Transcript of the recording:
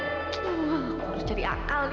wah harus cari akal nih